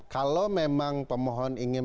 kalau memang pemohon ingin